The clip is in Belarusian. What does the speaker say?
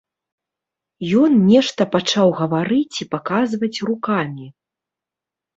Ён нешта пачаў гаварыць і паказваць рукамі.